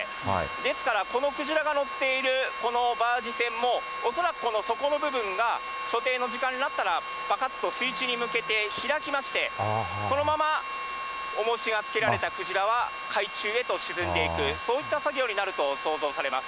ですからこのクジラが乗っているこのバージ船も、恐らくこの底の部分が、所定の時間になったら、ぱかっと水中に向けて開きまして、そのままおもしがつけられたクジラは、海中へと沈んでいく、そういった作業になると想像されます。